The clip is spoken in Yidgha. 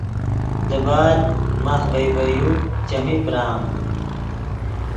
دیبال ماخ ڤئے ڤے یو چیمین پرآم